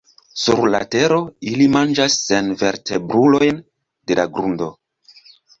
Sur la tero ili manĝas senvertebrulojn de la grundo.